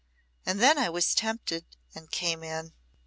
And then I was tempted and came in."